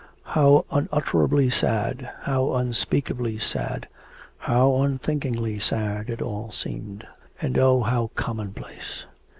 How unutterably sad, how unspeakably sad, how unthinkingly sad it all seemed, and, oh, how commonplace.